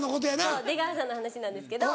そう出川さんの話なんですけど。